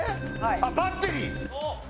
あっ『バッテリー』。